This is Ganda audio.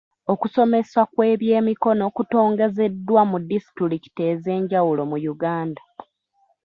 Okusomesa kw'ebyemikono kutongozeddwa mu distitulikiti ez'enjawulo mu Uganda.